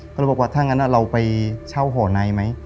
ก็เลยบอกว่าถ้างั้นเราไปเช่าห่อในไหม